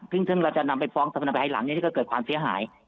ซึ่งเราจะนำไปฟ้องแต่นำไปท้ายหลังก็จะเกิดความเสียหาย